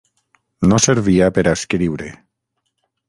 No servia per a escriure.